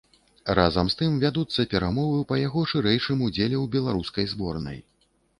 Разам з тым вядуцца перамовы па яго шырэйшым удзеле ў беларускай зборнай.